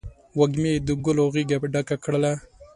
وږمې د ګلو غیږه ډکه کړله